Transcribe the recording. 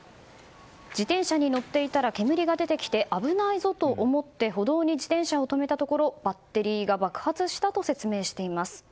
自転車に乗っていたら煙が出てきて危ないぞと思って歩道に自転車を止めたところバッテリーが爆発したと説明しています。